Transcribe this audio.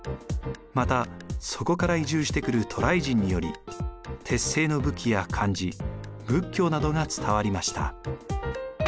またそこから移住してくる渡来人により鉄製の武器や漢字仏教などが伝わりました。